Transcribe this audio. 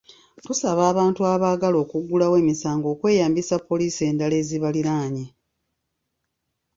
Tusaba abantu abaagala okuggulawo emisango okweyambisa poliisi endala ezibaliraanye.